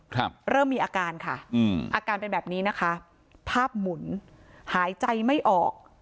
เริ่มมีอาการค่ะอืมอาการเป็นแบบนี้นะคะภาพหมุนหายใจไม่ออก